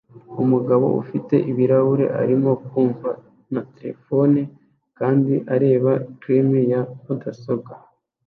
Umugabo ufite ibirahuri arimo kumva na terefone kandi areba ecran ya mudasobwa